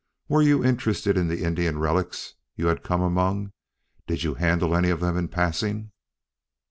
Were you interested in the Indian relics you had come among? Did you handle any of them in passing?"